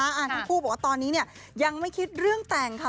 อ่านคุณคู่บอกว่าตอนนี้ยังไม่คิดเรื่องแต่งครับ